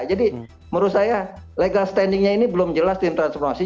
jadi menurut saya legal standingnya ini belum jelas tim transformasi